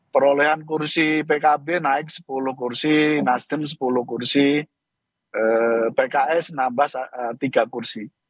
perolehan kursi pkb naik sepuluh kursi nasdem sepuluh kursi pks nambah tiga kursi